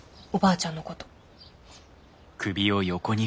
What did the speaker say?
おばあちゃんのこと。